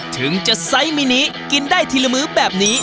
ถึงจะไซส์มินิกินได้ทีละมื้อแบบนี้